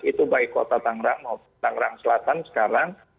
itu baik kota tangerang maupun tangerang selatan sekarang